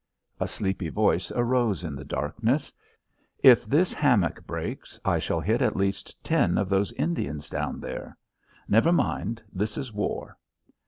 A sleepy voice arose in the darkness. "If this hammock breaks, I shall hit at least ten of those Indians down there. Never mind. This is war."